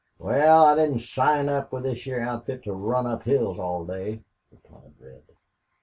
"Wal, I didn't sign up with this heah outfit to run up hills all day," replied Red.